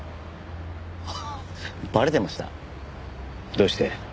どうして？